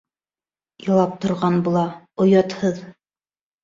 Илап торған була, оятһыҙ!